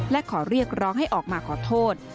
และขอเรียกร้องให้ออกมาขอโทษ